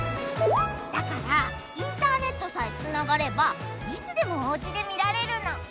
だからインターネットさえつながればいつでもおうちで見られるの！